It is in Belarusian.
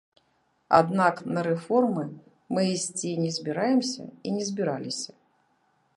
Аднак на рэформы мы ісці не збіраемся і не збіраліся.